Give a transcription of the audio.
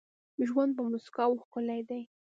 ژوند په مسکاوو ښکلی دي.